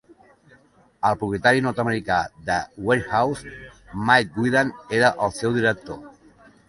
El propietari nord-americà de The Warehouse, Mike Wiand, era el seu director.